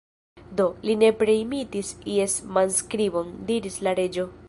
"Do, li nepre imitis ies manskribon," diris la Reĝo.